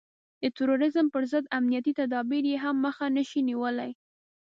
د تروريزم پر ضد امنيتي تدابير يې هم مخه نشي نيولای.